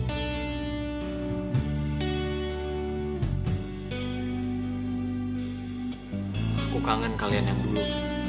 aku kangen kalian yang dulu